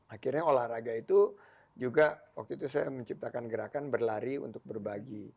akhirnya olahraga itu juga waktu itu saya menciptakan gerakan berlari untuk berbagi